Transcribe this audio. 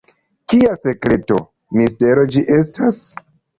Kia sekreto, mistero ĝi estas?